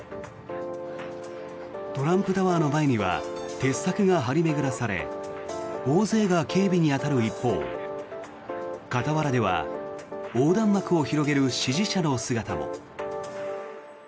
トランプタワーの前には鉄柵が張り巡らされ大勢が警備に当たる一方傍らでは横断幕を広げる支持者の姿も。